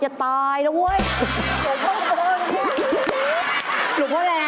หลวงพ่อบ่อยอย่างนี้